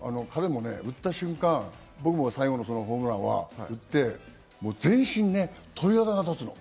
打った瞬間、僕も最後のホームランは打って、全身に鳥肌が立つの。